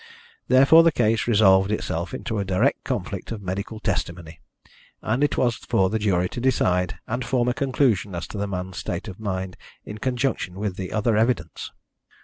Therefore the case resolved itself into a direct conflict of medical testimony, and it was for the jury to decide, and form a conclusion as to the man's state of mind in conjunction with the other evidence.